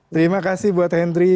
terima kasih buat hendry